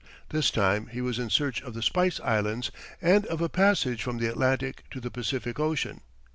This time he was in search of the Spice Islands and of a passage from the Atlantic to the Pacific Ocean.